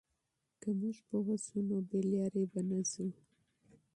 که موږ پوه شو، نو بې لارۍ ته نه ځو.